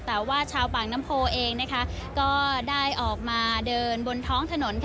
แต่ว่าชาวปากน้ำโพเองก็ได้ออกมาเดินบนท้องถนน